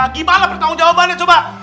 gimana pertanggung jawabannya coba